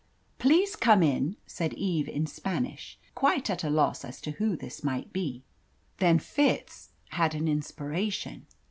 "Please come in," said Eve in Spanish, quite at a loss as to who this might be. Then Fitz had an inspiration.